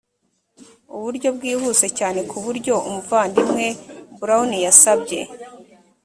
uburyo bwihuse cyane ku buryo umuvandimwe brown yasabye